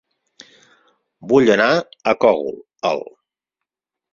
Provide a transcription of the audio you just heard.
Vull anar a Cogul, el